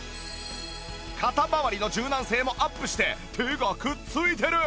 肩まわりの柔軟性もアップして手がくっついてる！